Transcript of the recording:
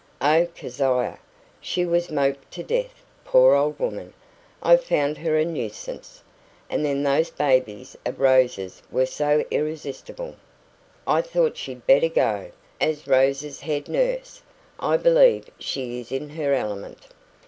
"Oh, Keziah she was moped to death, poor old woman I found her a nuisance. And then those babies of Rose's were so irresistible. I thought she'd better go. As Rose's head nurse, I believe she is in her element."